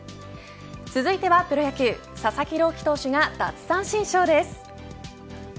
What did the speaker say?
続いてはプロ野球佐々木朗希投手が奪三振ショーです。